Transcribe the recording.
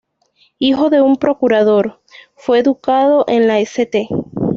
Hijo de un procurador, fue educado en la St.